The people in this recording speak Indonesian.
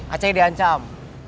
acai di ancam